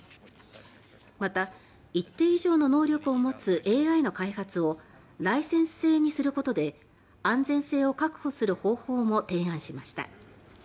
また、一定以上の能力を持つＡＩの開発をライセンス制にすることで安全性を確保する方法も提案しました。